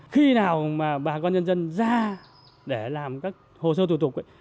khi nào mà bà con nhân dân ra để làm các hồ sơ thủ tục ấy